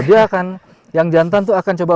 ya itu sudah kan yang jantan itu akan coba